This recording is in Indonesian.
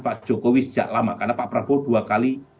pak jokowi sejak lama karena pak prabowo dua kali